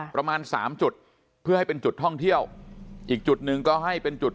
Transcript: ประมาณสามจุดเพื่อให้เป็นจุดท่องเที่ยวอีกจุดหนึ่งก็ให้เป็นจุด